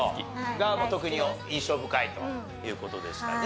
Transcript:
が特に印象深いという事でしたね。